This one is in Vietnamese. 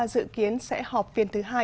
dự kiến sẽ họp phiên thứ hai